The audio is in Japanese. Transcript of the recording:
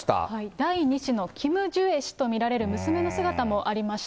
第２子のキム・ジュエ氏と見られる娘の姿もありました。